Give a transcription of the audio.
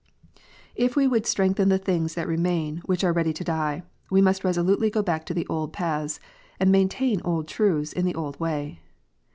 If we would "strengthen the things that remain which are ready to die," we must resolutely go back to the old paths, and maintain old truths in the old way.